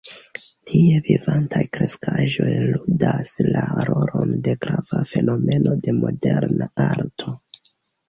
Tie vivantaj kreskaĵoj ludas la rolon de grava fenomeno de moderna arto.